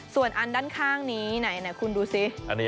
ส่วนอันด้านข้างนี้ไหนคุณดูสิ